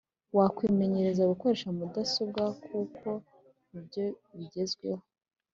wakwimenyereza gukoresha mudasobwa kuko nibyo bigezweho